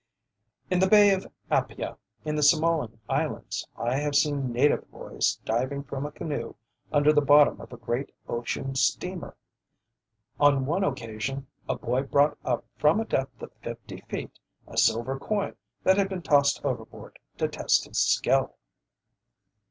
In the Bay of Apia, in the Samoan Islands, I have seen native boys diving from a canoe under the bottom of a great ocean steamer. On one occasion a boy brought up from a depth of fifty feet a silver coin that had been tossed overboard to test his skill.